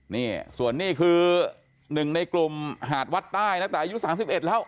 นี่ส่วนนี้คือหนึ่งในกลุ่มหาดวัดใต้นะแต่อายุ๓๑แล้ว